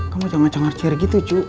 kamu jangan cangar cengar gitu cu